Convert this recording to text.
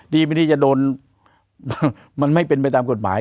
ไม่ได้จะโดนมันไม่เป็นไปตามกฎหมาย